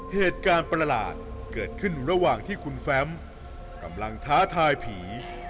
เหตุการณ์ประหลาดเกิดขึ้นระหว่างที่คุณแฟมกำลังท้าทายผี